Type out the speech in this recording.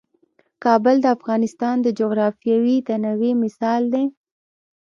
کابل د افغانستان د جغرافیوي تنوع مثال دی.